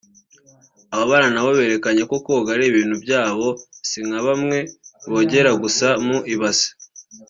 Aba bana nabo berekanye ko koga ari ibintu byabo si nka bamwe bogera gusa mu ibasi